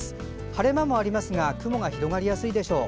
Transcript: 晴れ間もありますが雲が広がりやすいでしょう。